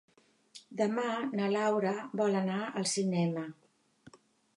Demà na Laura vol anar al cinema.